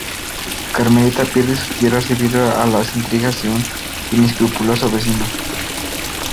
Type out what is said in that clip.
Carmelita pierde sus tierras debido a las intrigas de un inescrupuloso vecino.